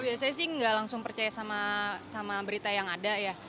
biasanya sih nggak langsung percaya sama berita yang ada ya